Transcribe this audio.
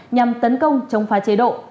nhằm tấn công chống phá chế độ